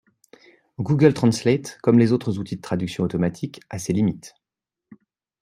Google Translate, comme les autres outils de traduction automatique, a ses limites.